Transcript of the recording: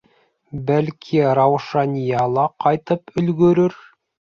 Бәлки, Раушания ла ҡайтып өлгөрөр.